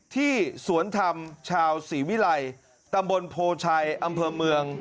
ที่สวนธรรมชาวศรีวิลัยตำบลโพชัยอำเภอเมือง